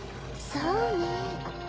そうね。